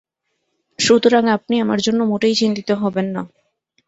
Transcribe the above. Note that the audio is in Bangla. সুতরাং আপনি আমার জন্য মোটেই চিন্তিত হবেন না।